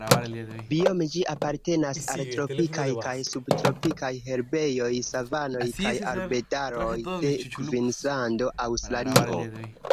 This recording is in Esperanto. Biome ĝi apartenas al tropikaj kaj subtropikaj herbejoj, savanoj kaj arbedaroj de Kvinslando, Aŭstralio.